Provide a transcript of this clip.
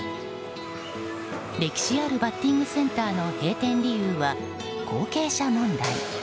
歴史あるバッティングセンターの閉店理由は後継者問題。